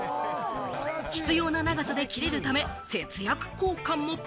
必要な長さで切れるため、節約効果も。